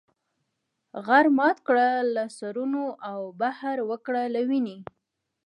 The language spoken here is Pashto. غر مات کړه له سرونو او بحر وکړه له وینې.